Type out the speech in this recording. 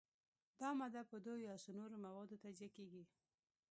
دا ماده په دوو یا څو نورو موادو تجزیه کیږي.